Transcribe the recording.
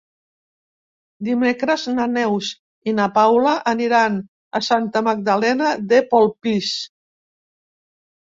Dimecres na Neus i na Paula aniran a Santa Magdalena de Polpís.